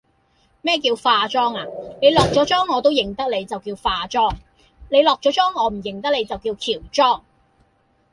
咩叫化妝啊，你落左妝我都認得你就叫化妝，你落左裝我唔認得你就叫喬裝!